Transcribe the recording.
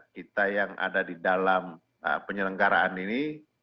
kita yang ada di dalam penyelenggaraan ini